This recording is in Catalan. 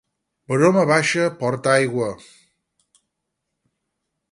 Broma baixa porta aigua.